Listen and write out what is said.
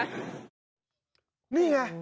ทวนระวังมันเป็นอังคารทวนระวัง